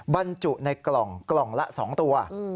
บรรจุในกล่องกล่องละ๒ตัว